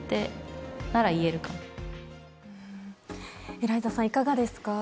エライザさん、いかがですか？